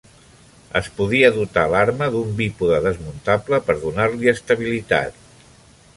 Es podia dotar l'arma d'un bípode desmuntable per donar-li estabilitat.